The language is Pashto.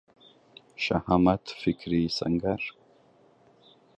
شهامت فکري سنګر